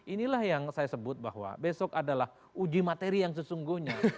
inilah yang saya sebut bahwa besok adalah uji materi yang sesungguhnya